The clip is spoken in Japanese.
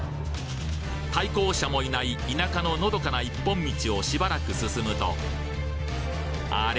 対向車もいない田舎ののどかな一本道をしばらく進むと「あれ？